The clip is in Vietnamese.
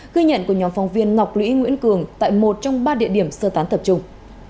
ghi nhận của nhóm phóng viên ngọc lũy nguyễn cường tại một trong ba địa điểm sơ tán tập trung